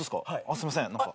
すいません何か。